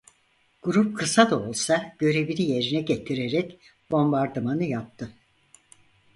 Grup kısa da olsa görevini yerine getirerek bombardımanı yaptı.